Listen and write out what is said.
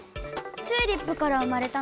チューリップから生まれたの。